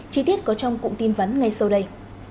chi tiết có trong cụm tin vắn ngay sau đây